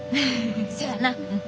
そやな。